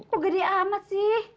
kok gede amat sih